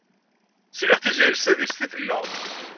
Sliɣ Tiziri s tadist i tella.